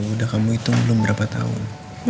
udah kamu hitung belum berapa tahun